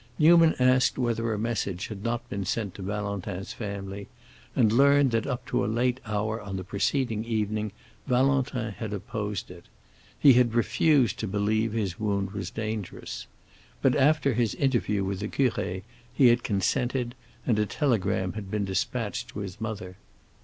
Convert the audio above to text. Newman asked whether a message had not been sent to Valentin's family, and learned that up to a late hour on the preceding evening Valentin had opposed it. He had refused to believe his wound was dangerous. But after his interview with the curé he had consented, and a telegram had been dispatched to his mother.